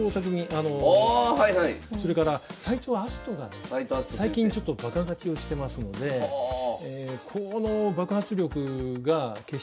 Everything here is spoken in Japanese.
それから斎藤明日斗がね最近ちょっとバカ勝ちをしてますのでこの爆発力が決勝でぶつかると面白いなと。